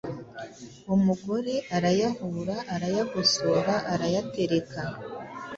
umugore arayahura arayagosora arayatereka